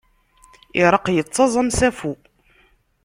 Ireqq yettaẓ am usafu.